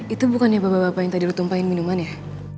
itu bukan ya bapak bapak yang tadi ditumpahin minuman ya